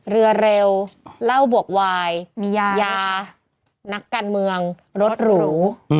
เรือเร็วเหล้าบวกวายมียานักการเมืองรถหรู